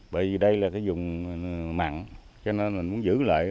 bởi vì đây là cái vùng mặn cho nên mình muốn giữ lợi